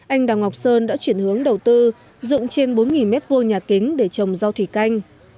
anh đào ngọc sơn đã chuyển hướng đầu tư dụng trên bốn mét vô nhà kính để trồng rau thủy canh